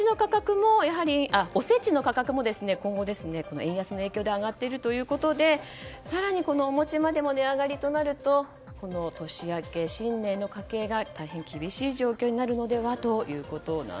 おせちの価格も今後、円安の影響で上がっているということで更にお餅まで値上がりとなると年明け、新年の家計が大変厳しい状況になるのではと。